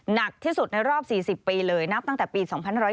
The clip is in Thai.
หนักที่สุดในรอบ๔๐ปีเลยนับตั้งแต่ปี๒๕๕๙